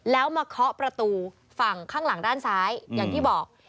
แล้วมาเคาะประตูฝั่งข้างหลังด้านซ้ายอย่างที่บอก